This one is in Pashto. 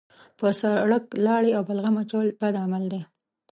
په سړک لاړې او بلغم اچول بد عمل دی.